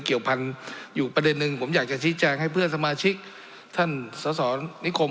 เกี่ยวพันธุ์อยู่ประเด็นหนึ่งผมอยากจะชี้แจงให้เพื่อนสมาชิกท่านสสนิคม